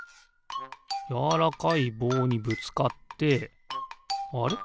やわらかいぼうにぶつかってあれ？